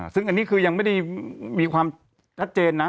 ซึ่งอันนี้คือยังไม่ได้มีความชัดเจนนะ